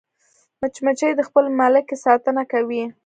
مچمچۍ د خپل ملکې ساتنه کوي